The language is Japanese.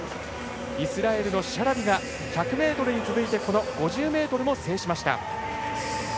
イスラエルのシャラビが１００ｍに続いてこの５０ｍも制しました。